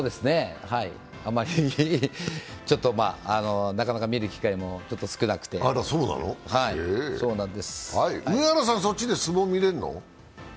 あまり、ちょっとなかなか見る機会も少なくて上原さん、そっちで相撲見れるの？